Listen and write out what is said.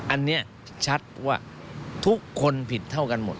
อันนี้ชัดว่าทุกคนผิดเท่ากันหมด